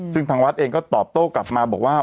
ซึ่งทางวัดเองก็ตอบโต้กลับมาบอกว่า